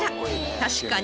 ［確かに］